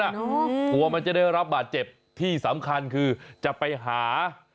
กลัวมันจะได้รับบาดเจ็บที่สำคัญคือจะไปหา